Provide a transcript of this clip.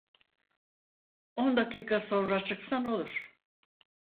On dakika sonra çıksan olur.